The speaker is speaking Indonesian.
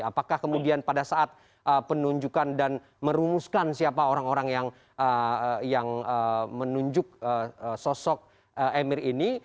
apakah kemudian pada saat penunjukan dan merumuskan siapa orang orang yang menunjuk sosok emir ini